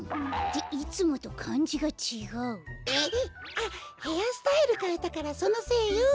あっヘアスタイルかえたからそのせいよ。